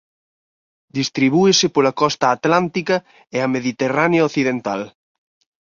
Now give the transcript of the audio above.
Distribúese pola costa Atlántica e a Mediterránea occidental.